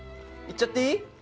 いっちゃっていい？